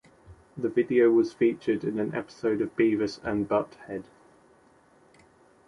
The video was featured in an episode of Beavis and Butt-head.